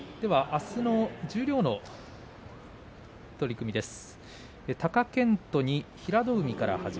あすの十両の取組です。